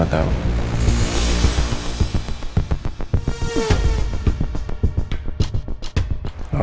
saya tapi gak tahu